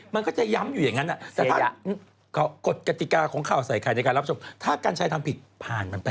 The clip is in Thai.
มันจะย้ำอยู่อย่างนั้นแต่อีก๓วัน๓คืน